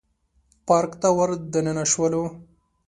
پارک ته ور دننه شولو.